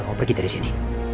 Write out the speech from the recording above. mau pergi dari sini